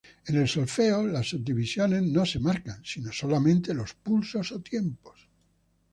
En el solfeo las subdivisiones no se marcan, sino solamente los pulsos o tiempos.